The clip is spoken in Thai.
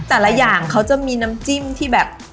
แต่ละอย่างเขาจะมีน้ำจิ้มที่แบบ